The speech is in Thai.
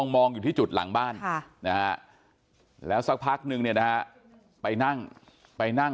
มองอยู่ที่จุดหลังบ้านแล้วสักพักนึงเนี่ยนะฮะไปนั่งไปนั่ง